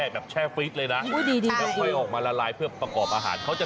เอ้ายูกันลองไปพักกันดู